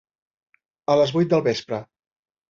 A les vuit del vespre.